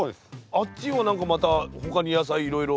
あっちはなんかまた他に野菜いろいろ。